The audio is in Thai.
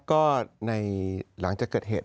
ก็ในหลังจากเกิดเหตุ